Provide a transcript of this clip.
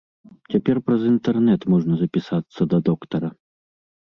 Цяпер праз інтэрнэт можна запісацца да доктара.